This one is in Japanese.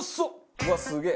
うわすげえ！